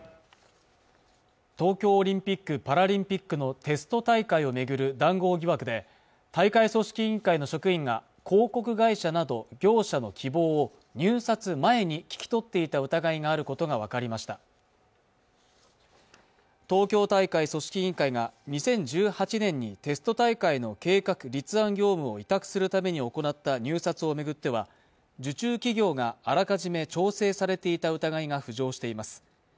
東京オリンピックパラリンピックのテスト大会をめぐる談合疑惑で大会組織委員会の職員が広告会社など業者の希望入札前に聞き取っていた疑いがあることが分かりました東京大会組織委員会が２０１８年にテスト大会の計画立案業務を委託するために行った入札を巡っては受注企業があらかじめ調整されていた疑いが浮上しています